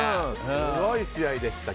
すごい試合でした。